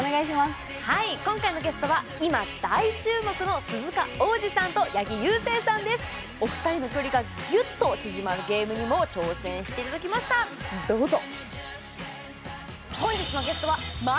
今回のゲストは今大注目の鈴鹿央士さんと八木勇征さんです、お二人の距離がギュッと縮まるゲームにも挑戦していただきました、どうぞ！